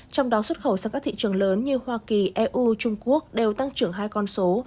trong đó xuất khẩu sang các thị trường lớn như hoa kỳ eu trung quốc đều tăng trưởng hai con số